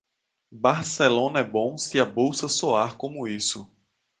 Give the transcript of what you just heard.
Barcelona é bom se a bolsa soar como isso.